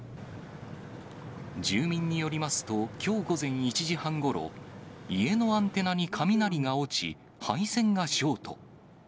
住民によりますと、きょう午前１時半ごろ、家のアンテナに雷が落ち、配線がショート。